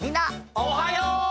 おはよう！